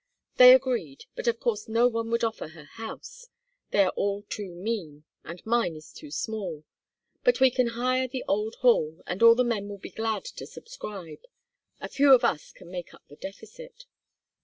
They agreed, but of course no one would offer her house; they are all too mean, and mine is too small. But we can hire the old hall, and all the men will be glad to subscribe a few of us can make up the deficit.